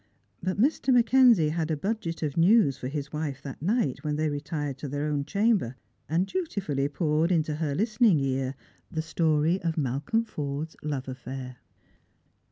But Mr. Mackenzie had a budget of news for his wife that night when they retired to their *wn chamber, and dutifully poured into her listening ear the etory of Malcolm Forde's love affair.